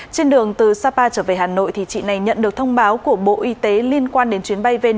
trên đường từ sapa trở về hà nội chị này nhận được thông báo của bộ y tế liên quan đến chuyến bay vn một trăm sáu mươi